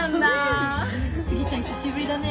杉ちゃん久しぶりだね。